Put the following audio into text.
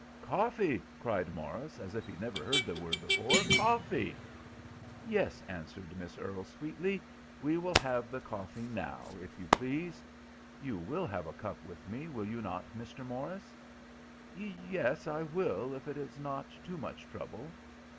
"Coffee!" cried Morris, as if he had never heard the word before. "Coffee!" "Yes," answered Miss Earle, sweetly, "we will have the coffee now, if you please. You will have a cup with me, will you not, Mr. Morris?" "Yes, I will, if it is not too much trouble."